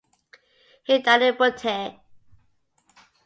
He died in Butare.